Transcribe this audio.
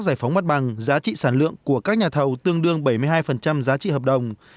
giải phóng mặt bằng giá trị sản lượng của các nhà thầu tương đương bảy mươi hai giá trị hợp đồng